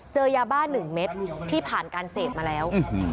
เจอยาบ้า๑เม็ดที่ผ่านการเสพมาแล้ว